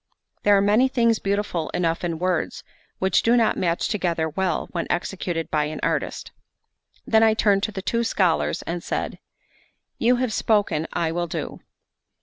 There are many things beautiful enough in words which do not match together well when executed by an artist." Then I turned to the two scholars and said: "You have spoken, I will do."